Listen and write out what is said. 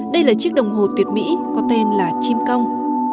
đây là chiếc đồng hồ tuyệt mỹ có tên là chim công